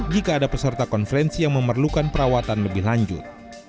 jika ada peserta konferensi yang memerlukan perawatan lebih lanjut